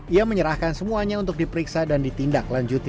ia menyerahkan semuanya untuk diperiksa dan ditindak lanjuti